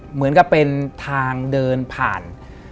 เหมือนกับเป็นทางเดินผ่าน